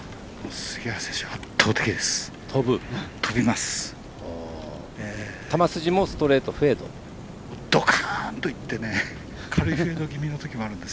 杉原選手が圧倒的です。